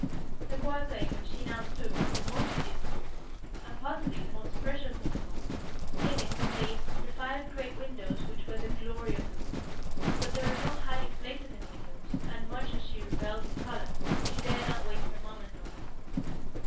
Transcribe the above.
The quarter in which she now stood was the most beautiful, and, possibly, the most precious of them all. In it blazed the five great windows which were the glory of the room; but there are no hiding places in windows, and much as she revelled in colour, she dared not waste a moment on them.